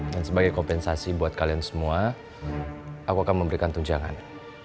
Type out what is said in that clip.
dan sebagai kompensasi buat kalian semua aku akan memberikan tujuan